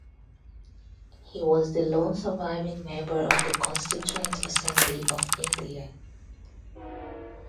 He was the lone surviving member of the Constituent Assembly of India.